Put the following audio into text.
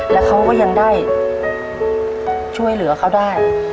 แล้วเขาก็ยังได้ช่วยเหลือเขาได้